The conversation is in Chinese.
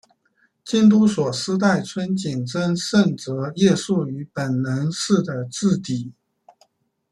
京都所司代村井贞胜则夜宿于本能寺前的自邸。